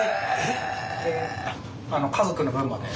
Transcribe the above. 家族の分まで。